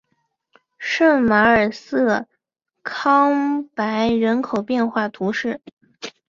圣马尔瑟康珀人口变化图示